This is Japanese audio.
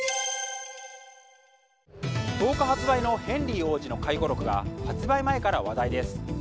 １０日発売のヘンリー王子の回顧録が発売前から話題です。